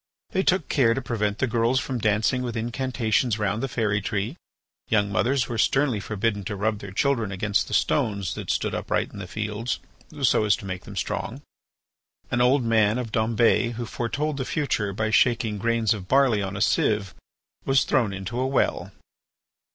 They took care to prevent the girls from dancing with incantations round the fairy tree. Young mothers were sternly forbidden to rub their children against the stones that stood upright in the fields so as to make them strong. An old man of Dombes who foretold the future by shaking grains of barley on a sieve, was thrown into a well.